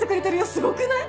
すごくない？